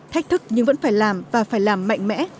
thách thức nhưng vẫn phải làm và phải làm mạnh mẽ